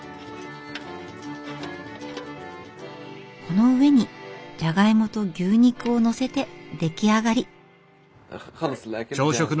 この上にじゃがいもと牛肉を載せて出来上がり。